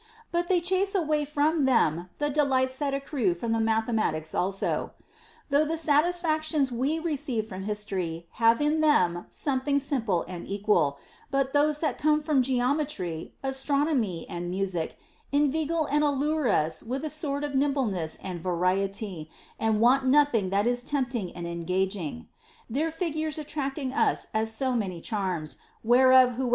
But they chase away from them the delights that accrue from the mathematics also. Though the satisfactions we receive from history have in them something simple and equal , but those that come from geometry, astronomy, and music inveigle and allure us with a sort of nimbleness and variety, and want nothing that is tempting and engaging ; their figures attracting us as so many charms, whereof whoever * Soph.